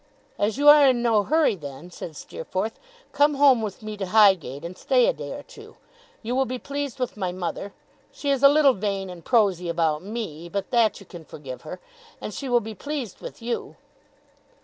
'As you are in no hurry, then,' said Steerforth, 'come home with me to Highgate, and stay a day or two. You will be pleased with my mother she is a little vain and prosy about me, but that you can forgive her and she will be pleased with you.